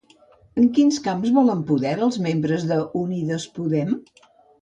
En quins camps volen poder els membres d'Unides Podem?